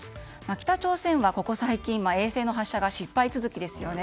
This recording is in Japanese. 北朝鮮はここ最近、衛星の発射が失敗続きですよね。